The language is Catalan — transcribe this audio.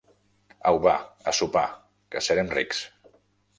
Au, va, a sopar, que serem rics.